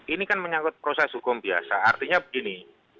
ini kan menyangkut proses hukum biasa artinya begini